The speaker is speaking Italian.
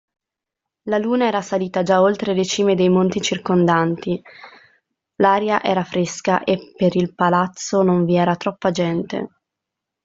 La Luna era salita già oltre le cime dei monti circondanti, l'aria era fresca, e per il palazzo non vi era troppa gente.